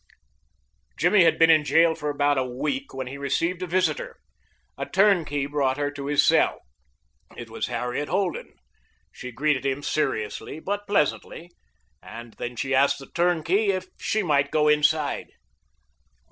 Jimmy had been in jail for about a week when he received a visitor. A turnkey brought her to his cell. It was Harriet Holden. She greeted him seriously but pleasantly, and then she asked the turnkey if she might go inside.